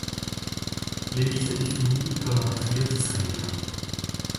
Lévy se définit comme un patriote israélien.